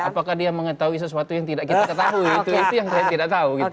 apakah dia mengetahui sesuatu yang tidak kita ketahui itu yang saya tidak tahu